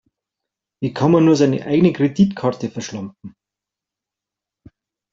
Wie kann man nur seine eigene Kreditkarte verschlampen?